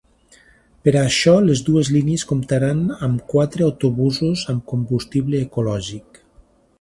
Per a això, les dues línies comptaran amb quatre autobusos amb combustible ecològic.